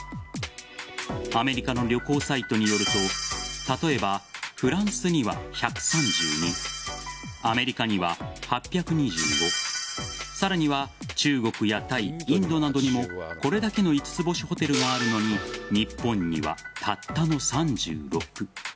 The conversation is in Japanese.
アメリカの旅行サイトによると例えば、フランスには１３２アメリカには８２５さらには中国やタイインドなどにもこれだけの５つ星ホテルがあるのに日本にはたったの３６。